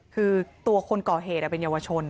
คือตัวคนก่อเหตุเป็นเยาวชน